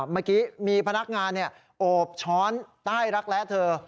เมื่อกี้มีพนักงานโอบช้อนใต้รักแร้เธอ